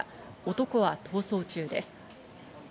男は逃走中です。